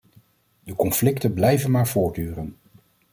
De conflicten blijven maar voortduren.